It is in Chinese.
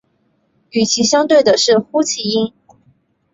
与其相对的是呼气音。